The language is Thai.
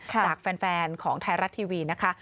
จากแฟนของไทยรัฐทีวีนะคะ